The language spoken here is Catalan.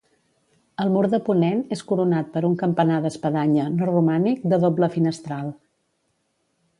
El mur de ponent és coronat per un campanar d'espadanya, no romànic, de doble finestral.